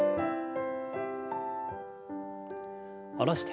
下ろして。